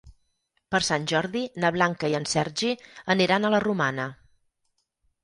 Per Sant Jordi na Blanca i en Sergi aniran a la Romana.